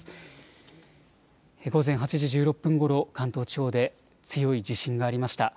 午前８時１６分ごろ関東地方で強い地震がありました。